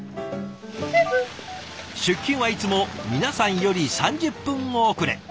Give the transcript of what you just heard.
出勤はいつも皆さんより３０分遅れ。